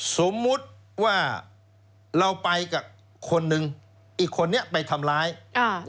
สมมุติว่าเราไปกับคนหนึ่งอีกคนนี้ไปทำร้ายอ่า